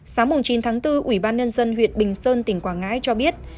sáng chín tháng bốn ủy ban nhân dân huyện bình sơn tỉnh quảng ngãi cho biết